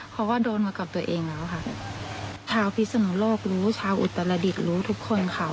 เพราะว่าโดนมากับตัวเองแล้วค่ะชาวพิสมโลกรู้ชาวอุตรฤดิตรู้ทุกคนค่ะ